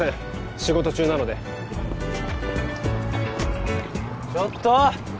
仕事中なのでちょっと！